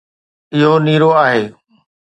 اهو نيرو آهي